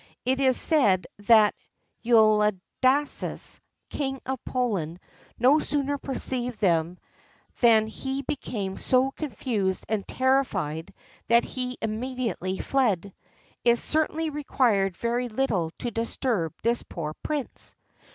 It is said that Uladislas, King of Poland, no sooner perceived them than he became so confused and terrified that he immediately fled. It certainly required very little to disturb this poor prince!